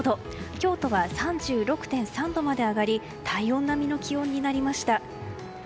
京都は３６．３度まで上がり体温並みの気温になりました。